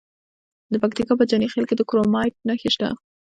د پکتیکا په جاني خیل کې د کرومایټ نښې شته.